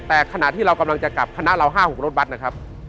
แต่ขณะที่เรากำลังจะกลับคณะเรา๕๖รถบัตรนะครับ